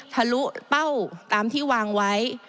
ทะลุเป้าตามที่วางไว้